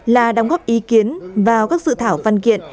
là đồng góp ý kiến vào các sự thảo phân kiện